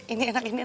ini enak ini enak